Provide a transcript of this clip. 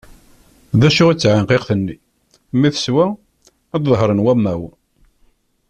D acu i d taɛenqiqt-nni, mi teswa ad d-dehṛen wamaw.